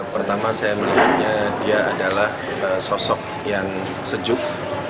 pertama saya melihatnya dia adalah sosok yang sejuk